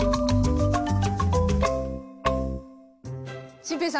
心平さん